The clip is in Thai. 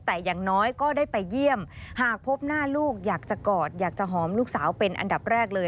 แต่อย่างน้อยก็ได้ไปเยี่ยมหากพบหน้าลูกอยากจะกอดอยากจะหอมลูกสาวเป็นอันดับแรกเลย